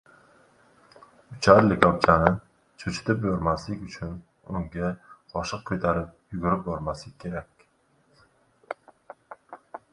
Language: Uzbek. Uchar likopchani cho‘chitib yubormaslik uchun unga qoshiq ko‘tarib yugurib bormaslik kerak…